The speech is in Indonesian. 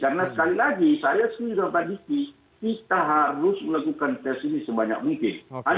karena sekali lagi saya sendiri sudah pagi pagi kita harus melakukan tes ini sebanyak mungkin